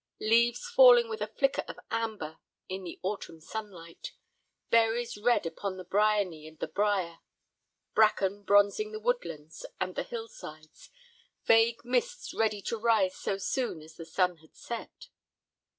Leaves falling with a flicker of amber in the autumn sunlight. Berries red upon the bryony and the brier. Bracken bronzing the woodlands and the hill sides, vague mists ready to rise so soon as the sun had set.